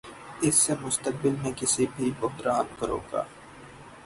اس سے مستقبل میں کسی بھی بحران کو روکا